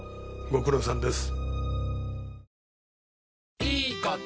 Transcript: ご苦労さんです。